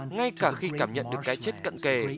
ngay cả khi cảm nhận được cái chết cận kề